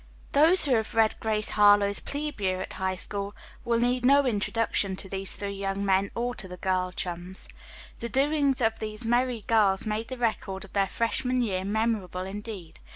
Those who have read "Grace Harlowe's Plebe Year at High School" need no introduction to these three young men or to the girl chums. The doings of these merry girls made the record of their freshman year memorable indeed.